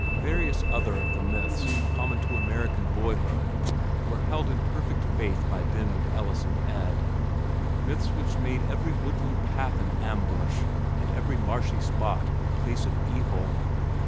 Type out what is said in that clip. Various other of the myths common to American boyhood, were held in perfect faith by Den and Ellis and Ed, myths which made every woodland path an ambush and every marshy spot a place of evil.